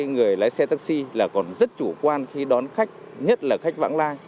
người lái xe taxi là còn rất chủ quan khi đón khách nhất là khách vãng lai